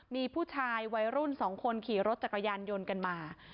มีผู้ชายวัยรุ่น๒คนขี่รถจักรยานยนต์กันมา